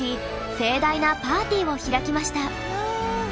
盛大なパーティーを開きました。